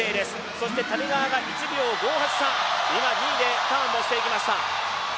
そして谷川が１秒５８差、今２位でターンしていきました。